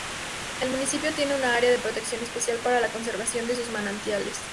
El municipio tiene un área de protección especial para la conservación de sus manantiales.